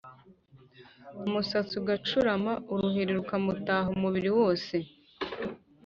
umusatsi ugacurama, uruheri rukamutaha umubiri wose